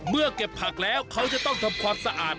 เก็บผักแล้วเขาจะต้องทำความสะอาด